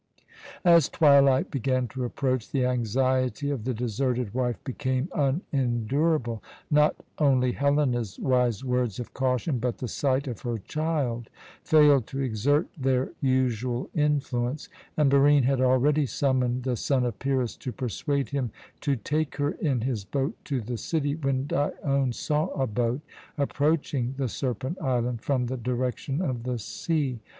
As twilight began to approach, the anxiety of the deserted wife became unendurable. Not only Helena's wise words of caution, but the sight of her child, failed to exert their usual influence; and Barine had already summoned the son of Pyrrhus to persuade him to take her in his boat to the city, when Dione saw a boat approaching the Serpent Island from the direction of the sea.